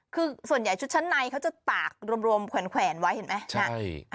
คือส่วนใหญ่ชุดชั้นในเขาจะตากรวมแขวนไว้เห็นไหม